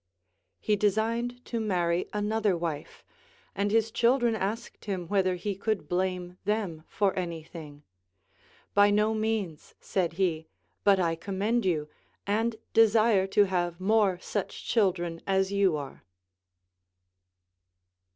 He designed to marry another wife, and his children asked him whether he could blame them for any thing. By no means, said he, but I com mend you, and desire to have more such children as you are, AND GREAT COMMANDERS.